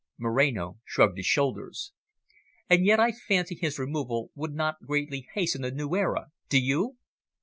Moreno shrugged his shoulders. "And yet I fancy his removal would not greatly hasten the new era, do you?